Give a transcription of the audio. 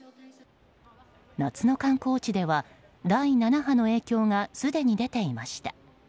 夏の観光地では第７波の影響がすでに出ていました。